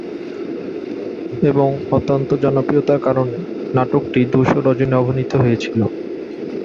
এবং অত্যন্ত জনপ্রিয়তার কারণে নাটকটি দু-শো রজনী অভিনীত হয়েছিল।